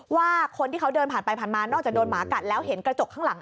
ว่าคนที่เขาเดินผ่านไปผ่านมานอกจากโดนหมากัดแล้วเห็นกระจกข้างหลัง